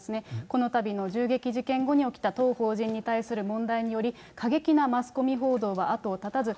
このたびの銃撃事件後に起きた当法人に対する問題により、過激なマスコミ報道が後を絶たず、